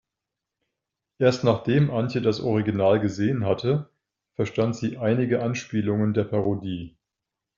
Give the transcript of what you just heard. Erst nachdem Antje das Original gesehen hatte, verstand sie einige Anspielungen der Parodie.